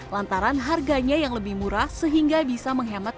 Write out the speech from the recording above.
lantaran harganya yang lebih murah sehingga bisa menghemat